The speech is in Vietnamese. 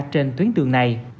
trên tuyến đường này